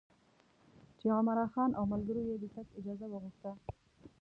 چې عمرا خان او ملګرو یې د تګ اجازه وغوښته.